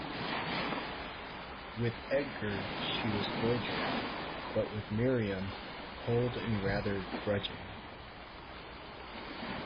With Edgar she was cordial, but with Miriam cold and rather grudging.